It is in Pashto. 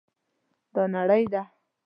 دا نری دی